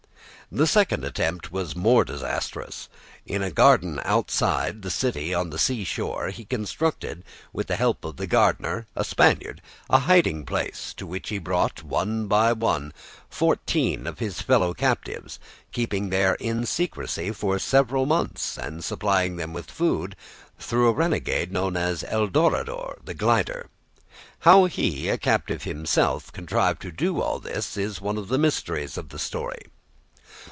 The second attempt was more disastrous. In a garden outside the city on the sea shore, he constructed, with the help of the gardener, a Spaniard, a hiding place, to which he brought, one by one, fourteen of his fellow captives, keeping them there in secrecy for several months, and supplying them with food through a renegade known as El Dorador, "the Gilder." How he, a captive himself, contrived to do all this, is one of the mysteries of the story.